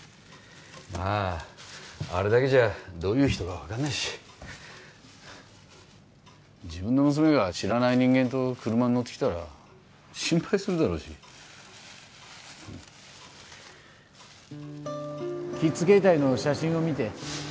まああれだけじゃどういう人か分かんないし自分の娘が知らない人間と車に乗ってきたら心配するだろうしキッズ携帯の写真を見て